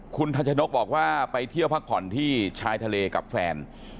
คุณทัชนกบอกว่าไปเที่ยวพักผ่อนที่ชายทะเลกับแฟน